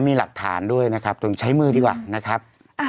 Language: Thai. มีหลักฐานด้วยนะครับตรงใช้มือดีกว่านะครับ